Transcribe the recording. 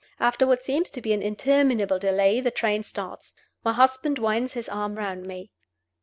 After what seems to be an interminable delay the train starts. My husband winds his arm round me.